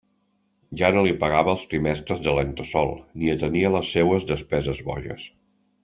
Ja no li pagava els trimestres de l'entresòl, ni atenia les seues despeses boges.